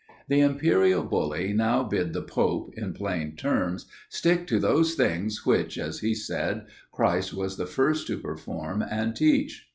The imperial bully now bid the pope, in plain terms, stick to those things which, as he said, Christ was the first to perform and teach.